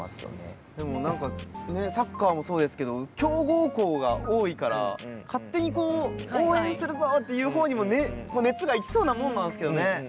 でも何かサッカーもそうですけど強豪校が多いから勝手に応援するぞっていう方にもね熱が行きそうなもんなんですけどね。